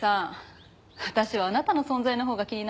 私はあなたの存在のほうが気になるわ。